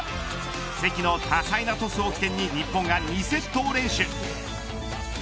関の多彩なトスを起点に日本が２セットを連取。